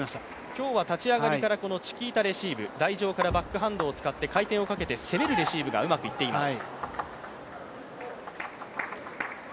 今日は立ち上がりからチキータレシーブ台上からバックハンドを使って回転をかけて攻めるレシーブがうまくいっています。